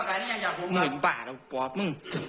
เจ้ายังไม่เรียนเจ๋